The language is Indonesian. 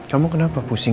kamu kenapa pusing